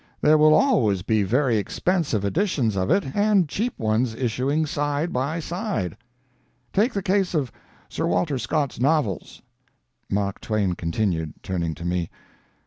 There will always be very expensive editions of it and cheap ones issuing side by side.' "Take the case of Sir Walter Scott's novels," Mark[Pg 174] Twain continued, turning to me.